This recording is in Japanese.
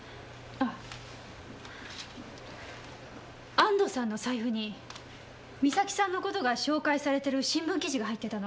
安藤さんの財布に美咲さんのことが紹介されてる新聞記事が入ってたの。